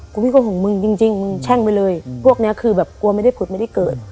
กูไม่โกหกของมึงจริงจริงมึงแช่งไปเลยพวกเนี้ยคือแบบกลัวไม่ได้พุธไม่ได้เกิด